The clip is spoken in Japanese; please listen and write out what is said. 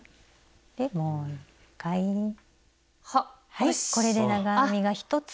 はいこれで長編みが１つ。